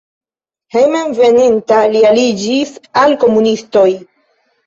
Hejmenveninta li aliĝis al komunistoj.